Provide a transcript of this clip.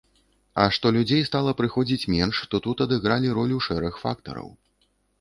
А што людзей стала прыходзіць менш, то тут адыгралі ролю шэраг фактараў.